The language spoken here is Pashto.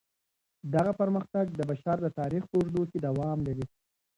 دغه پرمختګ د بشر د تاريخ په اوږدو کي دوام لري.